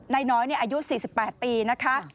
นายน้อยอายุ๔๘ปีนะคะ